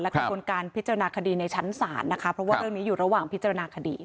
กระบวนการพิจารณาคดีในชั้นศาลนะคะเพราะว่าเรื่องนี้อยู่ระหว่างพิจารณาคดี